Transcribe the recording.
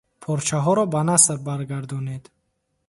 Порчаҳоро ба наср баргардонед.